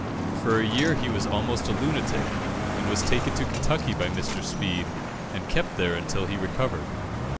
For a year he was almost a lunatic, and was taken to Kentucky by Mr. Speed, and kept there until he recovered.